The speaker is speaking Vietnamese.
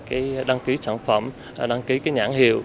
chúng tôi sẽ đăng ký sản phẩm đăng ký nhãn hiệu